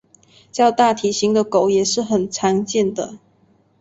较大体型的狗也是很常见的。